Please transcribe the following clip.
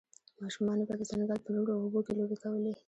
ماشومانو به د ځنګل په روڼو اوبو کې لوبې کولې